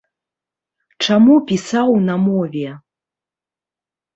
Чаму пісаў на мове?